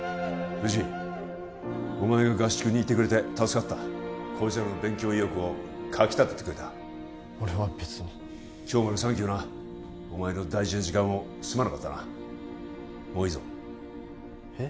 藤井お前が合宿にいてくれて助かったこいつらの勉強意欲をかき立ててくれた俺は別に今日までサンキューなお前の大事な時間をすまなかったなもういいぞえっ？